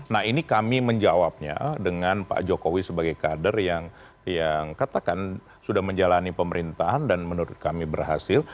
nah ini kami menjawabnya dengan pak jokowi sebagai kader yang katakan sudah menjalani pemerintahan dan menurut kami berhasil